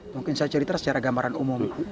mungkin saya cerita secara gambaran umum